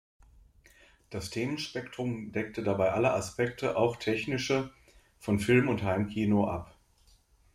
Das Themenspektrum deckte dabei alle Aspekte, auch technische, von Film und Heimkino ab.